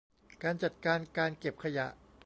การจัดการการเก็บขยะ